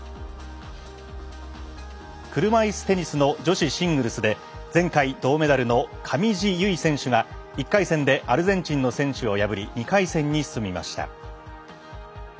車いすテニスの女子シングルスで前回銅メダルの上地結衣選手が１回戦でアルゼンチンの選手を破り２回戦に進みました。